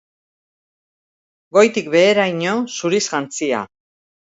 Goitik beheraino zuriz jantzia.